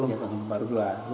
iya bangunan baru